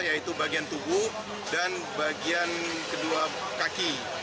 yaitu bagian tubuh dan bagian kedua kaki